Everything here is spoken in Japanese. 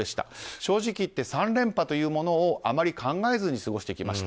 正直言って３連覇というものをあまり考えずに過ごしてきました。